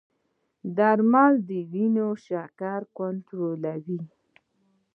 درمل د وینې شکر کنټرولوي.